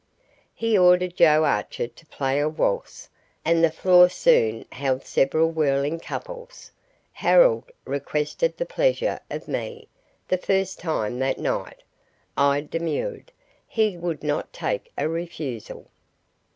He ordered Joe Archer to play a waltz, and the floor soon held several whirling couples. Harold "requested the pleasure" of me the first time that night. I demurred. He would not take a refusal.